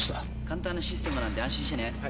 簡単なシステムなんで安心してね。